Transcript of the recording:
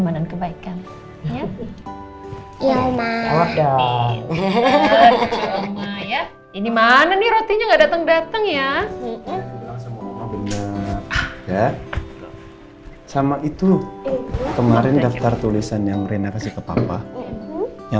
gak berkah nanti tidurnya